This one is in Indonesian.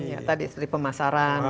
ya tadi seperti pemasaran